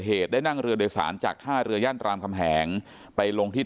เหตุได้นั่งเรือโดยสารจากท่าเรือย่านรามคำแหงไปลงที่